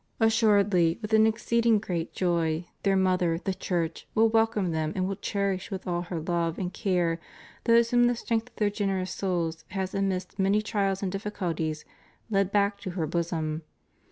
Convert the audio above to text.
Assuredly with an exceeding great joy their Mother, the Church, will welcome them and will cherish with all her love and care those whom the strength of their generous gouls has amidst many trials and difficulties led back to her bosom.